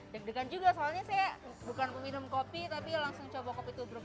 deg degan juga soalnya saya bukan peminum kopi tapi langsung coba kopi tubruk